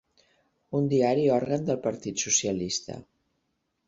Un diari òrgan del partit socialista.